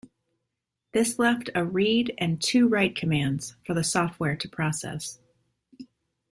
This left a read and two write commands for the software to process.